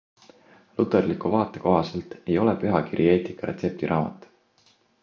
Luterliku vaate kohaselt ei ole pühakiri eetika retseptiraamat.